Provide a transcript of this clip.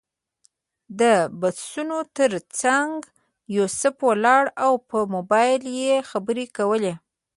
د بسونو تر څنګ یوسف ولاړ و او پر موبایل یې خبرې کولې.